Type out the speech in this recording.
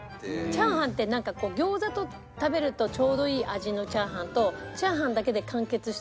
チャーハンってなんかこう餃子と食べるとちょうどいい味のチャーハンとチャーハンだけで完結してる